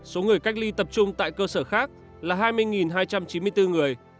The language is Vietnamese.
số người cách ly tập trung tại cơ sở khác là hai mươi hai trăm chín mươi bốn người